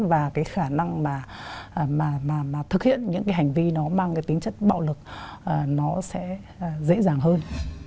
và cái khả năng mà thực hiện những cái hành vi nó mang cái tính chất bạo lực nó sẽ dễ dàng hơn